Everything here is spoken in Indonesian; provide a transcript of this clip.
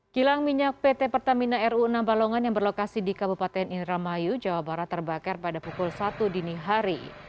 kilang minyak pt pertamina ru enam balongan yang berlokasi di kabupaten indramayu jawa barat terbakar pada pukul satu dini hari